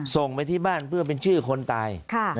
ส่งไปที่บ้านเพื่อเป็นชื่อคนตาย